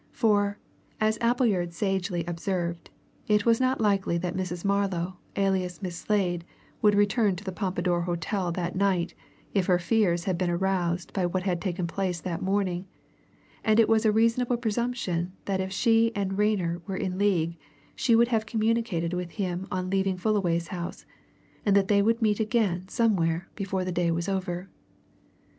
For, as Appleyard sagely observed, it was not likely that Mrs. Marlow, alias Miss Slade, would return to the Pompadour Hotel that night if her fears had been aroused by what had taken place that morning, and it was a reasonable presumption that if she and Rayner were in league she would have communicated with him on leaving Fullaway's office, and that they would meet again somewhere before the day was over.